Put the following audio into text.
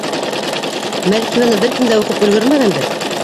Бәлки, быны бер кем дә уҡып өлгөрмәгәндер?